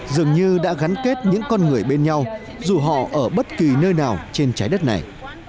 dường như đã gắn kết những con người bên nhau dù họ ở bất kỳ nơi nào trên trái đất này